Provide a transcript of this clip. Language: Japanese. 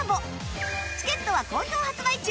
チケットは好評発売中！